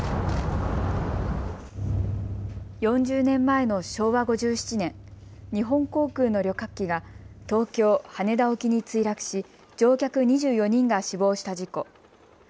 ４０年前の昭和５７年、日本航空の旅客機が東京・羽田沖に墜落し乗客２４人が死亡した事故。